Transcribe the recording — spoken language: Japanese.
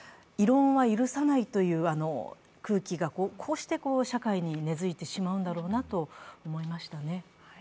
異論は許さないという空気がこうして社会に根づいてしまうんだろうなと思いましたね。